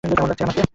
কেমন লাগছে আমাকে?